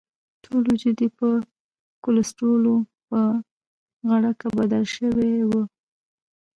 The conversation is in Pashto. ټول وجود یې په کولسټرولو په غړکه بدل شوی وو.